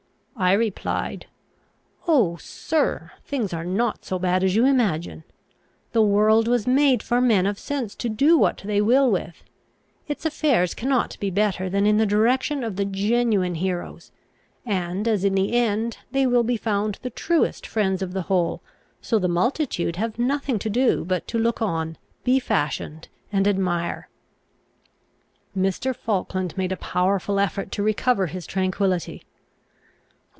I replied; "Oh, sir! things are not so bad as you imagine. The world was made for men of sense to do what they will with. Its affairs cannot be better than in the direction of the genuine heroes; and as in the end they will be found the truest friends of the whole, so the multitude have nothing to do but to look on, be fashioned, and admire." Mr. Falkland made a powerful effort to recover his tranquillity.